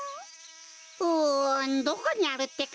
うんどこにあるってか？